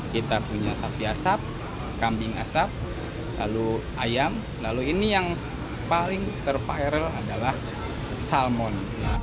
kita punya sapi asap kambing asap lalu ayam lalu ini yang paling terpiral adalah salmon